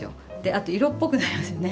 あと色っぽくなりますよね。